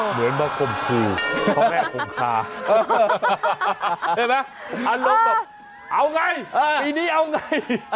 เหมือนที่คมคุมพ่อแม่คมราเพราะไหมอารมณ์แบบเอ้าไงปีนี้เอ้าไง